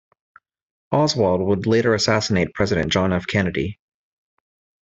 Oswald would later assassinate President John F. Kennedy.